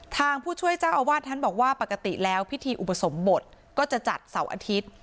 ผู้ช่วยเจ้าอาวาสท่านบอกว่าปกติแล้วพิธีอุปสมบทก็จะจัดเสาร์อาทิตย์